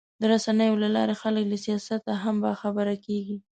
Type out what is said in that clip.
د رسنیو له لارې خلک له سیاست هم باخبره کېږي.